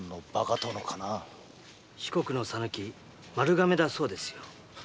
四国の讃岐丸亀だそうですよ。